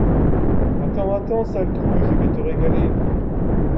Attends! attends ! sale trouille, je vais te régaler !